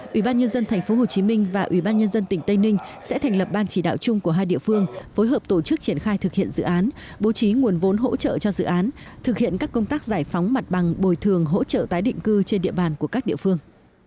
ủy ban nhân dân tp hcm và ủy ban nhân dân tỉnh tây ninh sẽ thành lập ban chỉ đạo chung của hai địa phương phối hợp tổ chức triển khai thực hiện dự án bố trí nguồn vốn hỗ trợ cho dự án thực hiện các công tác giải phóng mặt bằng bồi thường hỗ trợ tái định cư trên địa bàn của các địa phương